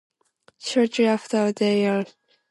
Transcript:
Shortly afterwards they are rescued by Pebbles and Bamm Bamm.